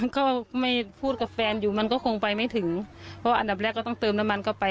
ก็ไม่พูดกับแฟนอยู่มันก็คงไปไม่ถึงเพราะอันดับแรกก็ต้องเติมน้ำมันเข้าไป